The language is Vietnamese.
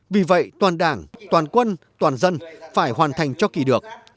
vì vậy toàn đảng toàn quân toàn dân phải hoàn thành cho kỳ được